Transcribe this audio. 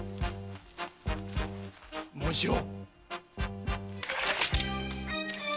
紋四郎。